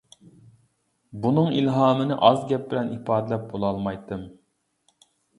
بۇنىڭ ئىلھامىنى ئاز گەپ بىلەن ئىپادىلەپ بولالمايتتىم.